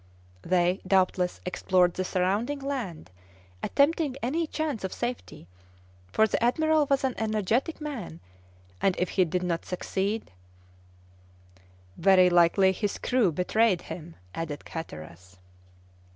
They, doubtless, explored the surrounding land, attempting any chance of safety, for the admiral was an energetic man, and if he did not succeed " "Very likely his crew betrayed him," added Hatteras.